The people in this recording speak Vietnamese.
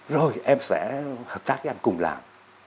rồi em sẽ hợp tác với anh cùng làm